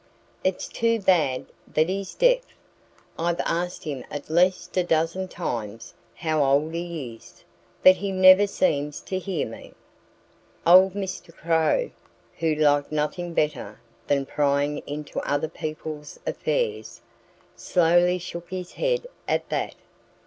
It's too bad that he's deaf. I've asked him at least a dozen times how old he is; but he never seems to hear me." Old Mr. Crow, who liked nothing better than prying into other people's affairs, slowly shook his head at that.